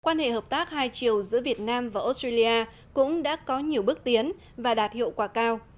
quan hệ hợp tác hai chiều giữa việt nam và australia cũng đã có nhiều bước tiến và đạt hiệu quả cao